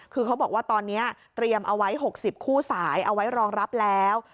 คือเขาบอกว่าตอนนี้เตรียมเอาไว้๖๐คู่สายเอาไว้รองรับแล้ว